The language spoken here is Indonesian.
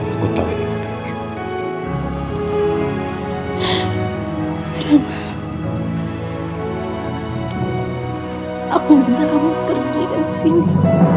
aku minta kamu pergi dari sini